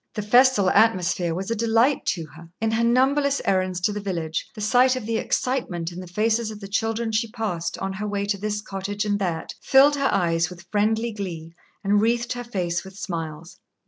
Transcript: The festal atmosphere was a delight to her. In her numberless errands to the village, the sight of the excitement in the faces of the children she passed on her way to this cottage and that filled her eyes with friendly glee and wreathed her face with smiles.